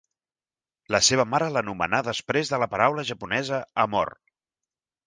La seva mare l'anomenà després de la paraula japonesa "amor".